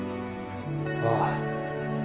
ああ。